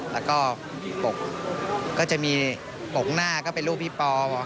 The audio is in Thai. แล้วก็ปกก็จะมีปกหน้าก็เป็นรูปพี่ปอ